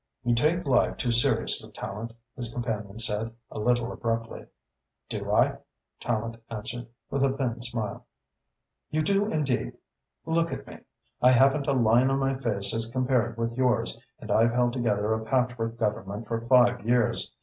"You take life too seriously, Tallente," his companion said, a little abruptly. "Do I?" Tallente answered, with a thin smile. "You do indeed. Look at me. I haven't a line on my face as compared with yours and I've held together a patchwork Government for five years.